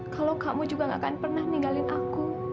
kalau kamu juga gak akan pernah ninggalin aku